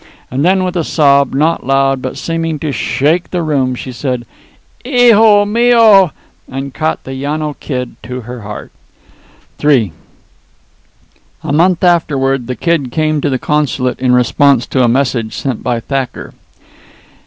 And then with a sob, not loud, but seeming to shake the room, she cried "Hijo mio!" and caught the Llano Kid to her heart. A month afterward the Kid came to the consulate in response to a message sent by Thacker.